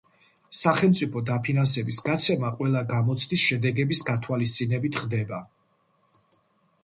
სახელმწიფო დაფინანსების გაცემა ყველა გამოცდის შედეგის გათვალისწინებით ხდება.